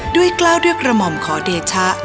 กล้าวด้วยกระหม่อมขอเดชะ